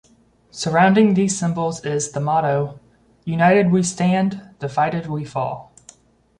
Surrounding these symbols is the motto "United we stand, divided we fall".